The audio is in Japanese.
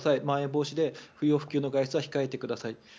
まん延防止で不要不急の外出は控えてください。